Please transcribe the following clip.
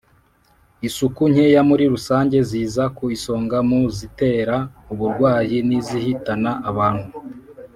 isuku nkeya muri rusange ziza ku isonga mu zitera uburwayi n'izihitana abantu.